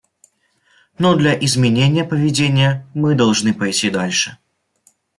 Но для изменения поведения мы должны пойти дальше.